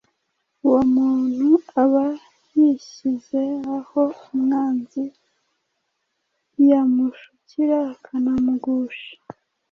uwo muntu aba yishyize aho umwanzi yamushukira akanamugusha.